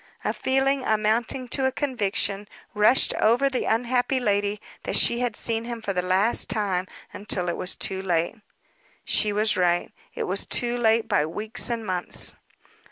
A feeling, amounting to a conviction, rushed over the unhappy lady that she had seen him for the last time until it was too late. She was right. It was too late by weeks and months.